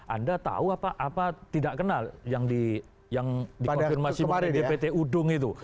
anda tahu apa tidak kenal yang dikonfirmasi oleh dpt udung itu